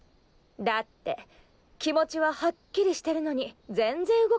だって気持ちははっきりしてるのに全然動かないから。